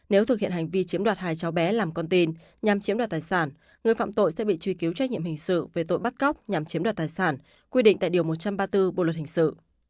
nếu thực hiện hành vi chiếm đoạt hai cháu bé làm con tin nhằm chiếm đoạt tài sản người phạm tội sẽ bị truy cứu trách nhiệm hình sự về tội bắt cóc nhằm chiếm đoạt tài sản quy định tại điều một trăm ba mươi bốn bộ luật hình sự